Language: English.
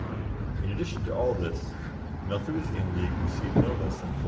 In addition to all this, the Malthusian League received no less than £455 11s.